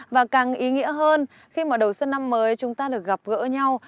và càng ý nghĩa hơn khi mà đầu xuân năm mới chúng ta được gặp gỡ nhau